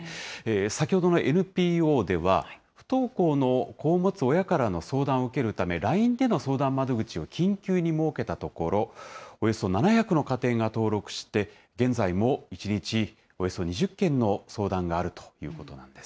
先ほどのＮＰＯでは、不登校の子を持つ親からの相談を受けるため、ＬＩＮＥでの相談窓口を緊急に設けたところ、およそ７００の家庭が登録して、設けて、１日およそ２０件の相談があるということです。